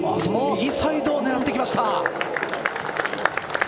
その右サイドを狙ってきました。